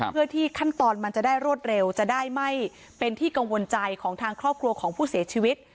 เพื่อที่ขั้นตอนมันจะได้รวดเร็วจะได้ไม่เป็นที่กังวลใจของทางครอบครัวของผู้เสียชีวิต